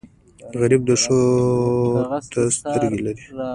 غریب د ښو ته سترګې لري